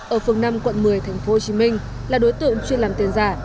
ở phường năm quận một mươi tp hcm là đối tượng chuyên làm tiền giả